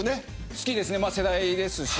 好きですね、世代ですし。